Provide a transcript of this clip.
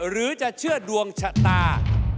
หรือจะเชื่อดวงชะตา